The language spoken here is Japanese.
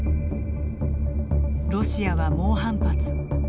ロシアは猛反発。